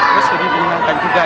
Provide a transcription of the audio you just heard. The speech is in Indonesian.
terus lebih menyenangkan juga